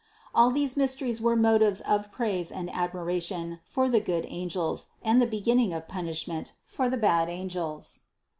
All these mysteries were motives of praise and admiration for the good angels and the beginning of punishment for the bad angels.